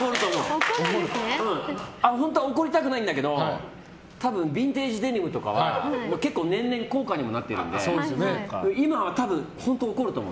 本当は怒りたくないんだけど多分、ビンテージデニムとかは年々高価にもなってるので今は本当、怒ると思う。